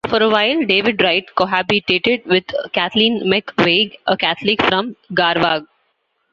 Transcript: For a while David Wright cohabitated with Kathleen McVeigh, a Catholic from Garvagh.